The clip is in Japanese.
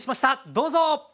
どうぞ！